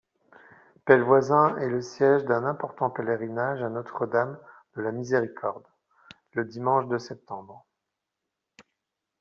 Pellevoisin est le siège d'un important pèlerinage à Notre-Dame-de-la-Miséricorde, le dimanche de septembre.